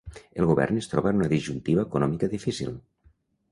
El govern es troba en una disjuntiva econòmica difícil.